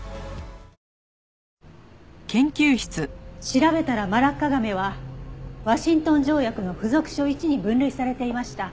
調べたらマラッカガメはワシントン条約の附属書Ⅰに分類されていました。